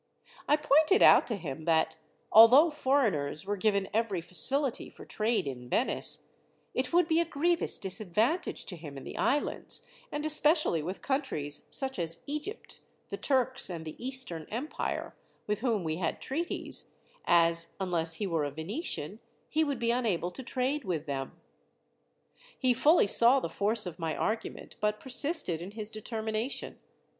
I pointed out to him that, although foreigners were given every facility for trade in Venice, it would be a grievous disadvantage to him in the islands, and especially with countries such as Egypt, the Turks, and the Eastern empire, with whom we had treaties; as, unless he were a Venetian, he would be unable to trade with them. "He fully saw the force of my argument, but persisted in his determination.